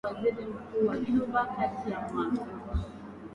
Alikua kwenye mavazi ya kiraia tabaamu likiwa limeupamba uso wake